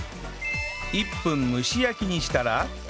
１分蒸し焼きにしたら